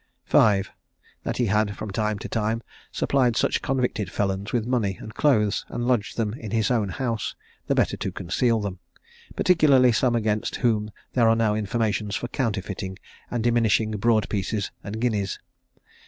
V. That he had from time to time supplied such convicted felons with money and clothes, and lodged them in his own house, the better to conceal them: particularly some against whom there are now informations for counterfeiting and diminishing broad pieces and guineas.